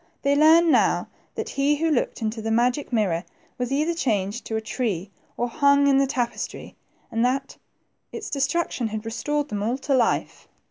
They learned now that he who looked in the magic mirror was either changed to a tree or hung in the tapestry, and that its destruction had restored them all to life.